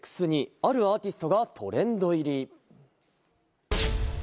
あるアーティストがトレンド入り。